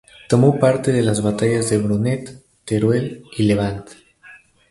Tomó parte en las batallas de Brunete, Teruel y Levante.